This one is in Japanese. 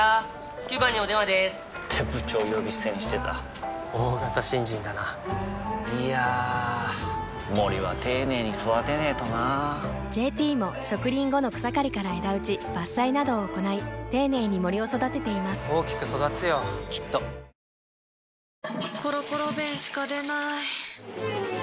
９番にお電話でーす！って部長呼び捨てにしてた大型新人だないやー森は丁寧に育てないとな「ＪＴ」も植林後の草刈りから枝打ち伐採などを行い丁寧に森を育てています大きく育つよきっと磧孱味腺唯庁腺咤函。